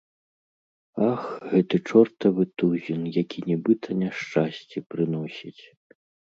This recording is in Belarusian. Ах, гэты чортавы тузін, які нібыта няшчасці прыносіць.